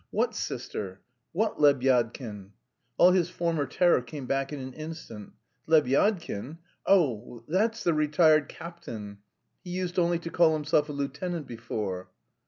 "What sister? What Lebyadkin?" All his former terror came back in an instant. "Lebyadkin! Oh, that's the retired captain; he used only to call himself a lieutenant before...."